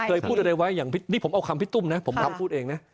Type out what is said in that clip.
เคยพูดอะไรไว้นี่ผมเอาคำพี่ตุ้มนะผมเอาคำพูดเองนะ